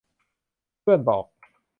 เพื่อนบอก